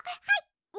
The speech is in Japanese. はい。